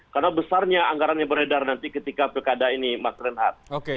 karena besarnya anggarannya beredar nanti ketika pilkada ini mas renhardt